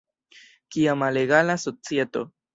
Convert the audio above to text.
Kia malegala societo!